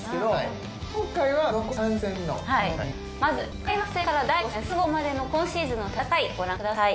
まず開幕戦から第５戦ＳＵＧＯまでの今シーズンの戦いご覧ください。